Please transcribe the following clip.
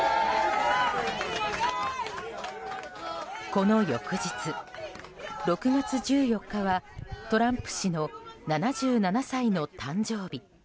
この翌日、６月１４日はトランプ氏の７７歳の誕生日。